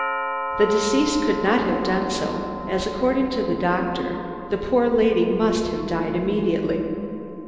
The deceased could not have done so, as, according to the doctor, the poor lady must have died immediately.